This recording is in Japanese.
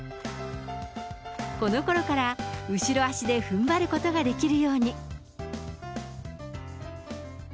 このころから、後ろ足でふんばることができるように。